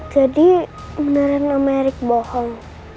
jadi beneran nama heri bohong